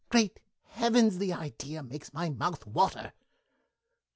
Great heavens the idea makes my mouth water!"